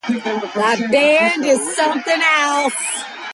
Action Gamer features only two levels, one of which is incomplete.